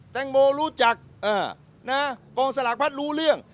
แตงโมรู้จักกองสลากพัดรู้เรื่อง